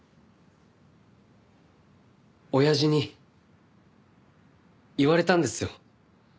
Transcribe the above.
親父に言われたんですよ。